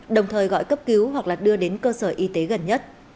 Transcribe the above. đồng thời gọi cấp cứu hoặc đưa đến cơ sở y tế gần nhất